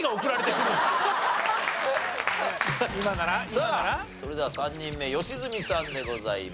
さあそれでは３人目良純さんでございます。